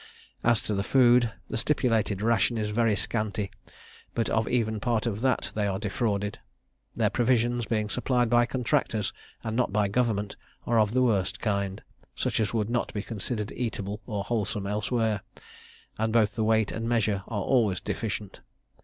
As to the food, the stipulated ration is very scanty, but of even part of that they are defrauded. Their provisions, being supplied by contractors, and not by government, are of the worst kind, such as would not be considered eatable or wholesome elsewhere; and both the weight and measure are always deficient.